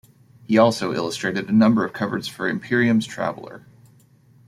He also illustrated a number of covers for Imperium's "Traveller".